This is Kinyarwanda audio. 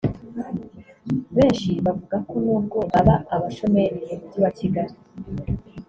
Benshi bavuga ko nubwo baba abashomeri mu Mujyi wa Kigali